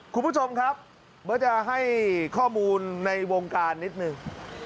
คุณผู้ชมครับเบิร์ตจะให้ข้อมูลในวงการนิดนึง